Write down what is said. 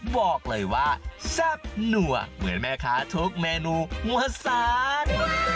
บอกเลยว่าแซ่บหนัวเหมือนแม่ค้าทุกเมนูมัวสาน